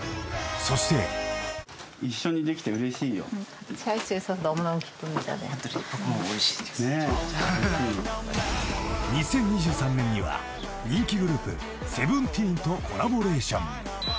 ［そして］［２０２３年には人気グループＳＥＶＥＮＴＥＥＮとコラボレーション］